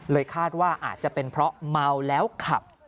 คาดว่าอาจจะเป็นเพราะเมาแล้วขับ